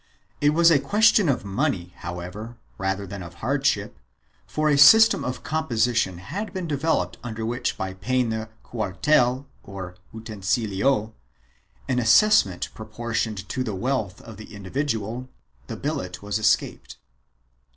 It was a question of money, however, rather than of hardship, for a system of composition had been developed under which by paying the cuartel or utensilio — an assessment proportioned to the wealth of the individual — the billet was escaped.